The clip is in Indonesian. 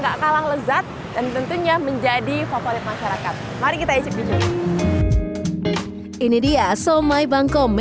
gak kalang lezat dan tentunya menjadi favorit masyarakat mari kita isi ini dia somai bangko